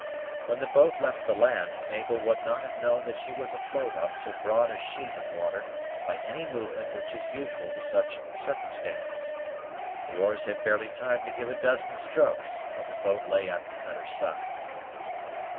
When the boat left the land, Mabel would not have known that she was afloat on so broad a sheet of water by any movement which is usual to such circumstances. The oars had barely time to give a dozen strokes, when the boat lay at the cutter's side.